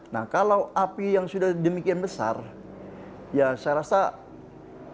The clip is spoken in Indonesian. nah kalau api yang sudah demikian besar ya saya rasa tidak mungkin dapat dihalau